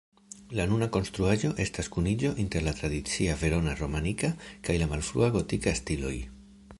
La nuna konstruaĵo estas kuniĝo inter la tradicia verona-romanika kaj la malfrua gotika stiloj.